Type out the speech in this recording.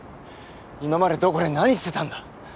今までどこで何してたんだ？